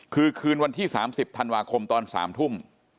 คือคืนวันที่๓๐ธันวาคมตอน๓ทุ่ม